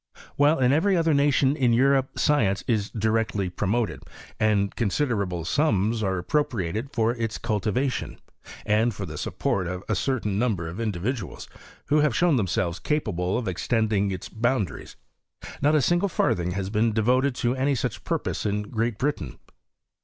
While in every other nation in Europe science is directly promoted, and considerable sums are appropriated for its cultivation, and for the support of a certain number of individuals who have shown themselves capable of extending its boundaries, not a single farthing has been devoted to any such purpose in Great Britain.